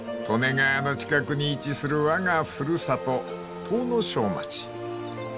［利根川の近くに位置するわがふるさと東庄町］